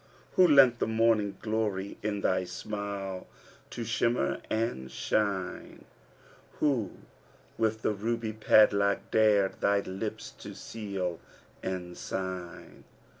Who lent the morning glory in thy smile to shimmer and shine * Who with that ruby padlock dared thy lips to seal and sign!